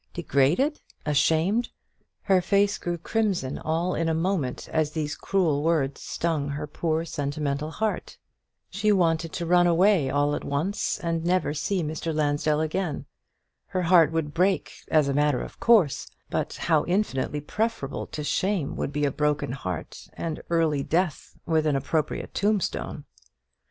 Degraded! ashamed! her face grew crimson all in a moment as these cruel words stung her poor sentimental heart. She wanted to run away all at once, and never see Mr. Lansdell again. Her heart would break, as a matter of course; but how infinitely preferable to shame would be a broken heart and early death with an appropriate tombstone!